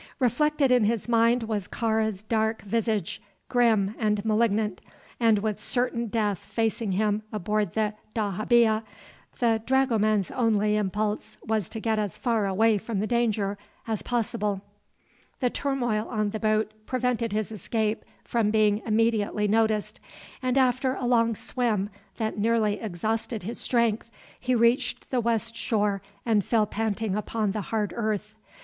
Reflected in his mind was Kāra's dark visage, grim and malignant, and with certain death facing him aboard the dahabeah, the dragoman's only impulse was to get as far away from the danger as possible. The turmoil on the boat prevented his escape from being immediately noticed, and after a long swim, that nearly exhausted his strength, he reached the west shore and fell panting upon the hard earth.